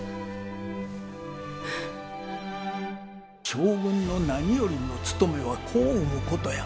将軍の何よりのつとめは子を産むことや！